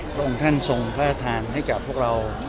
พรงท่านทรงค์พระดาษฐานให้กับพวกเรา